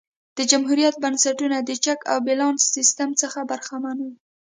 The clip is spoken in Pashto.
د جمهوریت بنسټونه د چک او بیلانس سیستم څخه برخمن وو